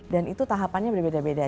dan itu tahapannya berbeda beda